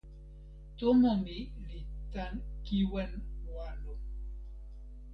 tomo mi li tan kiwen walo.